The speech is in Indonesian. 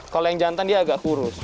kalau yang jantan dia agak kurus